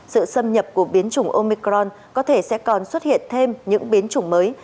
sự xâm nhập của biến chủng omicron có thể sẽ còn xuất hiện thêm những biến chủng mới